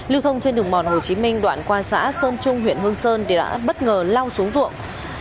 lưu thông trên đường mòn hồ chí minh đoạn qua xã sơn trung huyện hương sơn thì đã bất ngờ lao xuống ruộng